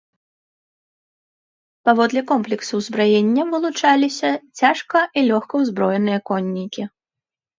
Паводле комплексу ўзбраення вылучаліся цяжка- і лёгкаўзброеныя коннікі.